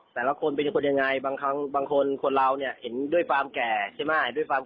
แต่ละคนเป็นคนยังไงบางครั้งบางคนคนเราเนี่ยเห็นด้วยความแก่ใช่ไหม